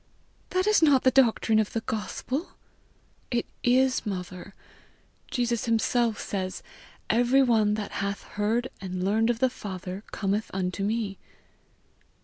"That is not the doctrine of the gospel." "It is, mother: Jesus himself says, 'Every one that hath heard and learned of the Father, cometh unto me.'"